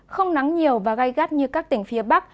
không nắng nhiều và gai gắt như các tỉnh phía bắc